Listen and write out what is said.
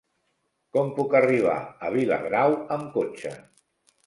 Com puc arribar a Viladrau amb cotxe?